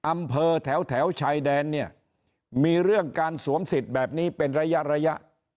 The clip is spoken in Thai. อำเภอแถวชายแดนเนี่ยมีเรื่องการสวมสิทธิ์แบบนี้เป็นระยะระยะ